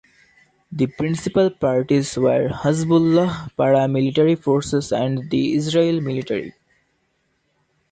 The principal parties were Hezbollah paramilitary forces and the Israeli military.